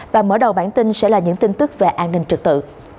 và mở đầu bản tin sẽ là những tin tức về an ninh trật tự